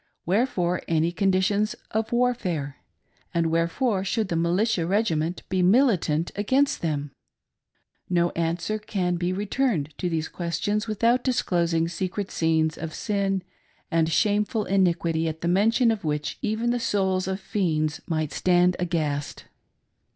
— wherefore any condi tions of warfare .' and wherefore should the militia regiment be militant against them .' No answer can be returned to these questions without disclosing secret scenes of sin and shameful iniquity at the mention of which even the souls of fiend might stand aghast.